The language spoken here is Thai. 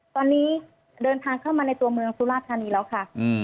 ตอนนี้เดินทางเข้ามาในตัวเมืองสุราธานีแล้วค่ะ